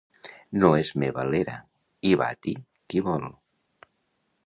No és meva l'era; hi bati qui vol.